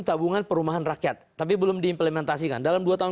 tabungan perumahan rakyat tapi belum ada yang doring implementasikan dalam dua tahun